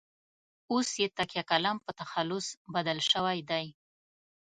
اوس یې تکیه کلام په تخلص بدل شوی دی.